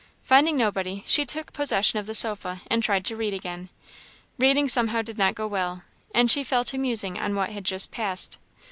Finding nobody, she took possession of the sofa, and tried to read again; reading somehow did not go well, and she fell to musing on what had just passed.